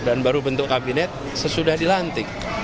dan baru bentuk kabinet sesudah dilantik